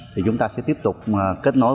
thì chúng ta sẽ tiếp tục kết nối